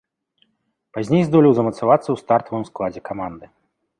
Пазней здолеў замацавацца ў стартавым складзе каманды.